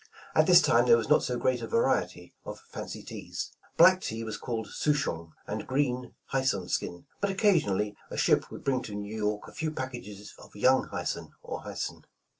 At this time there was not so great a variety of fancy teas. Black tea was called souchong, and green, hyson skin; but occasion ally a ship would bring to New York a few packages of young hyson or hyson.